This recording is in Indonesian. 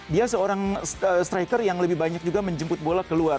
dia seorang striker yang lebih banyak juga menjemput bola keluar